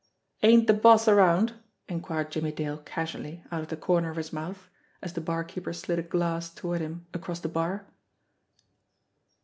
"Ain't the boss around?" inquired Jimmie Dale casually out of the corner of his mouth, as the barkeeper slid a glass toward him across the bar.